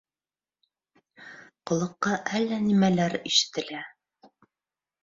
Ҡолаҡҡа әллә нимәләр ишетелә.